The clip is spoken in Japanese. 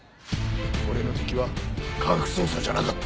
俺の敵は科学捜査じゃなかった。